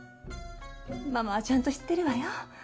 ママはちゃんと知ってるわよ